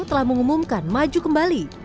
telah mengumumkan maju kembali